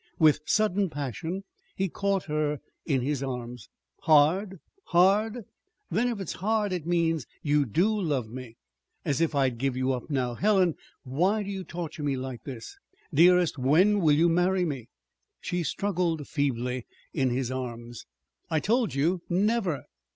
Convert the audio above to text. With sudden passion he caught her in his arms. "Hard? Hard? Then if it's hard, it means you do love me. As if I'd give you up now! Helen, why do you torture me like this? Dearest, when will you marry me?" She struggled feebly in his arms. "I told you; never."